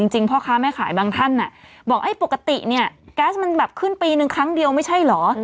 พ่อค้าแม่ขายบางท่านบอกปกติเนี่ยแก๊สมันแบบขึ้นปีนึงครั้งเดียวไม่ใช่เหรอ